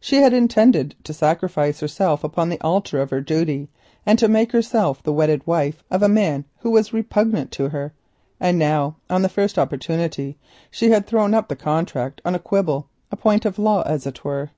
She had intended to sacrifice herself upon the altar of her duty and to make herself the wedded wife of a man whom she disliked, and now on the first opportunity she had thrown up the contract on a quibble—a point of law as it were.